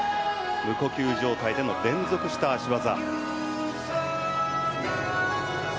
無呼吸状態での連続した脚技。